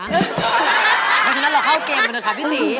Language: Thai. แล้วเราเข้าเกมเลยนะครับพี่ตี